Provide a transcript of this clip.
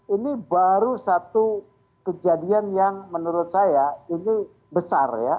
ini baru satu kejadian yang menurut saya ini besar ya